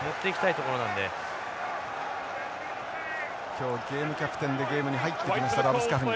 今日ゲームキャプテンでゲームに入ってきましたラブスカフニ。